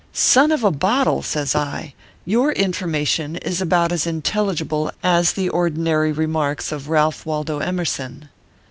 "Son of a bottle!" says I, "your information is about as intelligible as the ordinary remarks of Ralph Waldo Emerson."